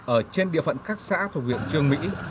ở trên địa phận các xã thuộc huyện trương mỹ